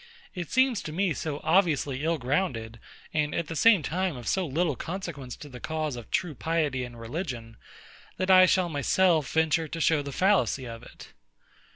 It seems to me so obviously ill grounded, and at the same time of so little consequence to the cause of true piety and religion, that I shall myself venture to show the fallacy of it.